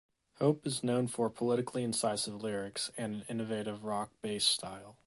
Hope is known for politically incisive lyrics and an innovative rock-based style.